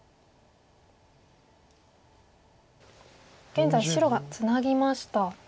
現在白がツナぎました。